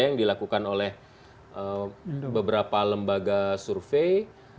yang dilakukan oleh beberapa lembaga survei